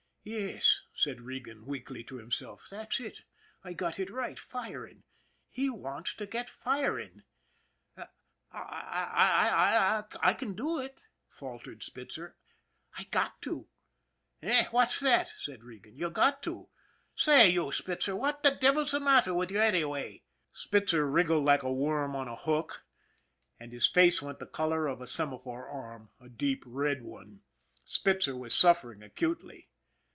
" Yes," said Regan weakly to himself. " That's it. I got it right firing ! He wants to get firing! "" I I can do it," faltered Spitzer. " I got to." " Eh ? What's that ?" said Regan. " You got to ? Say, you, Spitzer, what the devil's the matter with you anyway ?" Spitzer wriggled like a worm on a hook, and his face 76 ON THE IRON AT BIG CLOUD went the color of a semaphore arm a deep red one. Spitzer was suffering acutely.